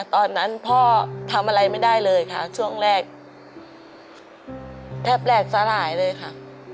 ตอนนั้นพ่อทำอะไรไม่ได้เลยค่ะช่วงแรกแทบแหลกสลายเลยค่ะ